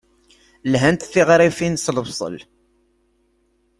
Lhant teɣrifin s lebṣel.